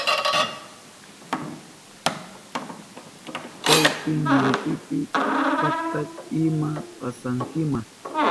Chawpi ñampipi pakta ima pasankima.